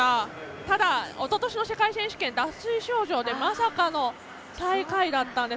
ただ、おととしの世界選手権脱水症状でまさかの最下位だったんです。